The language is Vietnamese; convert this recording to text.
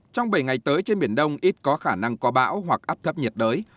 trong bảy ngày tới trên miền đông ít có khả năng có bão hoặc áp thấp nhiệt đới